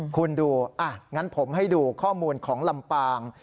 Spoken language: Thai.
คุณดูงั้นผมให้ดูข้อมูลของลำปาง